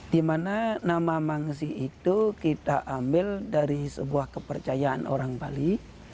di mana nama mangsi itu kita ambil dari sebuah kepercayaan orang bali